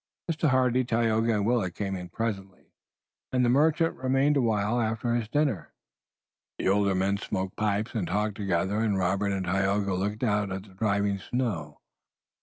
Mr. Hardy, Tayoga and Willet came in presently, and the merchant remained a while after his dinner. The older men smoked pipes and talked together and Robert and Tayoga looked out at the driving snow.